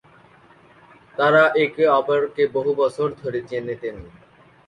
তারা একে অপরকে বহু বছর ধরে চেনেতেন।